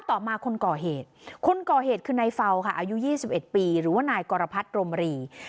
ต่อมาคนก่อเหตุคนก่อเหตุคือนายเฟาค่ะอายุ๒๑ปีหรือว่านายกรพัฒน์รมรี